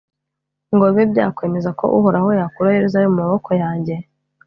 ngo bibe byakwemeza ko Uhoraho yakura Yeruzalemu mu maboko yanjye ?»